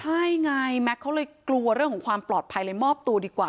ใช่ไงแม็กซ์เขาเลยกลัวเรื่องของความปลอดภัยเลยมอบตัวดีกว่า